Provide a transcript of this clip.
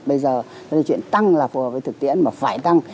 bây giờ cho nên chuyện tăng là phù hợp với thực tiễn mà phải tăng